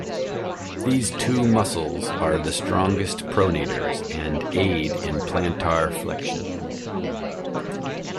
These two muscles are the strongest pronators and aid in plantar flexion.